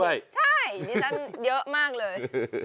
ใช่ดิฉันเยอะมากเลย